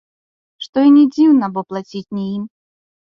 Што і не дзіўна, бо плаціць не ім.